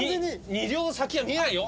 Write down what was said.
２両先は見えないよ